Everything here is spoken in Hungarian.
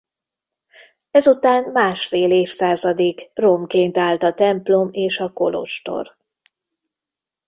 Ez után másfél évszázadig romként állt a templom és a kolostor.